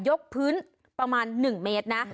กพื้นประมาณ๑เมตรนะ